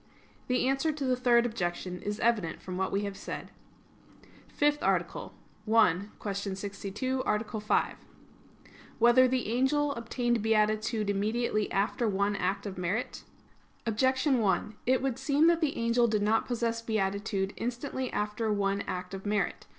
The answer to the Third Objection is evident from what we have said. _______________________ FIFTH ARTICLE [I, Q. 62, Art. 5] Whether the Angel Obtained Beatitude Immediately After One Act of Merit? Objection 1: It would seem that the angel did not possess beatitude instantly after one act of merit.